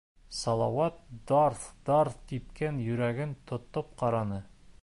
- Салауат дарҫ-дарҫ типкән йөрәген тотоп ҡараны.